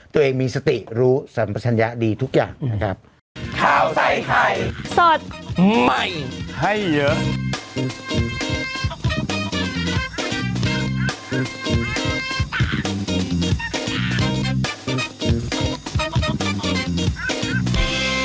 ตัวเองมีสติรู้สัมปัชญะดีทุกอย่างนะครับ